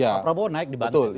pak prabowo naik di banten